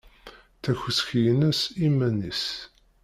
Takuski-ines iman-is.